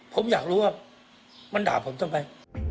ผมอยากรู้ว่ามันด่าผมทำไม